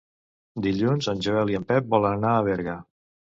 Dilluns en Joel i en Pep volen anar a Berga.